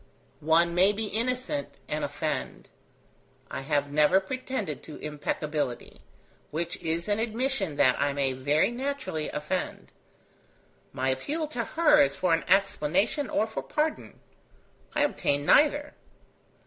One may be innocent and offend. I have never pretended to impeccability, which is an admission that I may very naturally offend. My appeal to her is for an explanation or for pardon. I obtain neither.